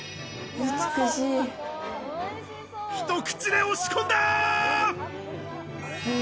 ひと口で押し込んだ！